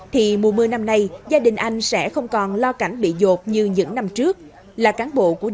thì mùa mưa năm nay gia đình anh sẽ không còn lo cảnh bị dột như những năm trước